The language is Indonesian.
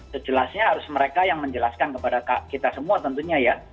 sejelasnya harus mereka yang menjelaskan kepada kita semua tentunya ya